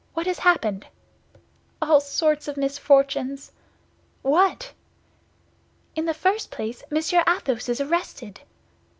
"What has happened?" "All sorts of misfortunes." "What?" "In the first place, Monsieur Athos is arrested."